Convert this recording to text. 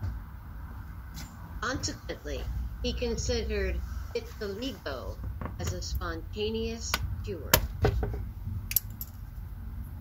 Consequently, he considered vitiligo as a "spontaneous cure".